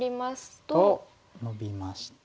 とノビまして。